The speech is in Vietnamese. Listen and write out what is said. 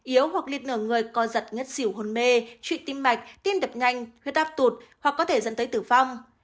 yếu hoặc liệt ngờ người co giật nhất xỉu hồn mê trụy tim mạch tim đập nhanh huyết áp tụt hoặc có thể dẫn tới tử vong